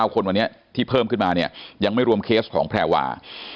๙คนวันนี้ที่เพิ่มขึ้นมาเนี่ยยังไม่รวมเคสของแพรวา